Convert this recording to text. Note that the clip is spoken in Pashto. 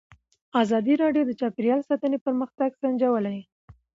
ازادي راډیو د چاپیریال ساتنه پرمختګ سنجولی.